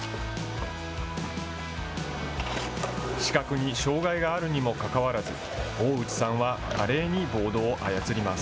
視覚に障害があるにもかかわらず、大内さんは華麗にボードを操ります。